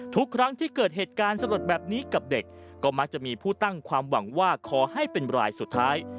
ทุกครั้งที่เกิดเหตุการณ์สลดแบบนี้กับเด็กก็มักจะมีผู้ตั้งความหวังว่าขอให้เป็นรายสุดท้าย